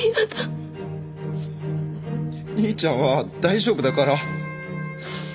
兄ちゃんは大丈夫だから。